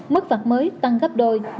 mức phạt mới tăng gấp một mươi triệu đồng